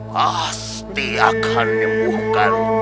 pasti akan nyembuhkan